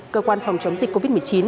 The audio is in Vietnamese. cơ quan phòng chống dịch covid một mươi chín